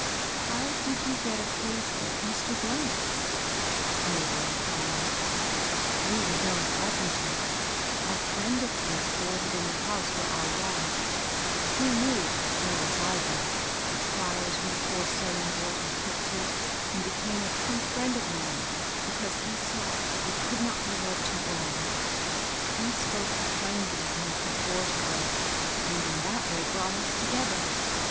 '* "How did you get a place at Mr. ^'s? Mabel inquired. " Through the young carpenter. A friend of his boarded in the house where I lodged. He knew, well aa I did, the trials we poor sewing BERTHA GILES. 68 girls were put to, and became a true friend of mine because he saw I could not be led to wrong. He spoke kindly of me to George Hal let, and in that way brought us together.